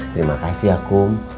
terima kasih ya kum